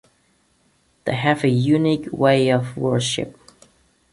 They have a unique way of worship.